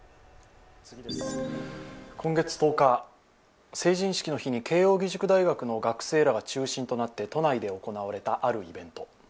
今月１０日、成人式の日に慶応義塾大学の学生らが中心となって都内で行われたあるイベント。